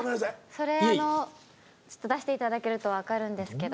それあのちょっと出していただけるとわかるんですけど。